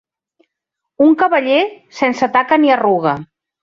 Un cavaller sense taca ni arruga.